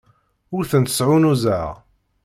Ur tent-sɛunnuẓeɣ.